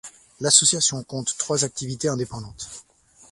L'association compte trois activités indépendantes.